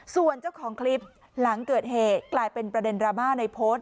ส่วนเจ้าของคลิปหลังเกิดเหตุกลายเป็นประเด็นดราม่าในโพสต์